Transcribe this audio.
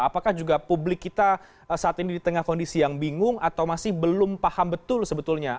apakah juga publik kita saat ini di tengah kondisi yang bingung atau masih belum paham betul sebetulnya